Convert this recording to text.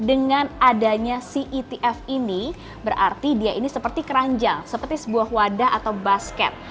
dengan adanya cetf ini berarti dia ini seperti keranjang seperti sebuah wadah atau basket